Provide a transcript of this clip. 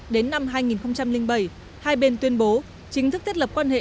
đến năm hai nghìn bảy hai bên tuyên bố chính thức thiết lập quan hệ